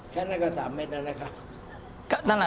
แค่นั้นก็๓เม็ดแล้วนะคะ